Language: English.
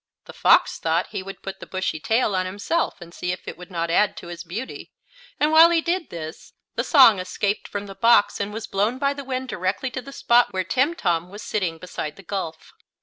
The fox thought he would put the bushy tail on himself and see if it would not add to his beauty, and while he did this the song escaped from the box and was blown by the wind directly to the spot where Timtom was sitting beside the gulf.